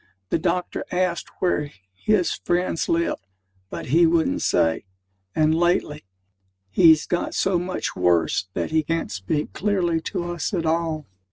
The doctor asked where his friends lived; but he wouldn't say, and, lately, he's got so much worse that he can't speak clearly to us at all.